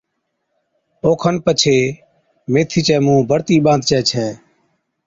اوکن پڇي ميٿي چَي مُونھ بڙتِي ٻانڌجَي ڇَي